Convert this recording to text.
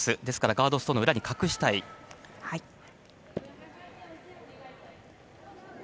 ですからガードストーンの裏に隠したい。